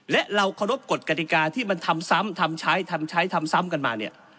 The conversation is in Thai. และเราเคารพกฎกฎิกาที่มันทำซ้ำทำใช้ทำใช้ทำซ้ำกันมาเนี่ย